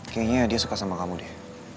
kayaknya dia suka sama kamu deh